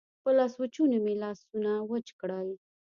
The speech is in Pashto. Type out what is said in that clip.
په لاسوچوني مې لاسونه وچ کړل.